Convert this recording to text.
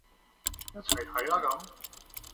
一齊睇啦咁